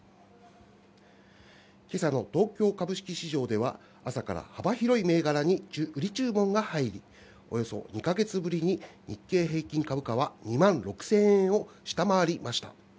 今朝の東京株式市場では朝から幅広い銘柄に売り注文が入り、およそ２か月ぶりに日経平均株価は２万６０００円を下回りました。